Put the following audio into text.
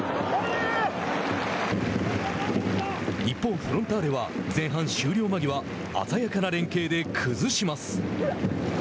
一方、フロンターレは前半終了間際鮮やかな連係で崩します。